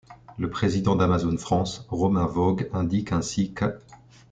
Le président d'Amazon France, Romain Voog, indique ainsi qu'.